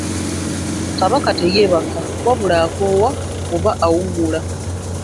Kabaka teyeebaka wabula akoowa oba awummula.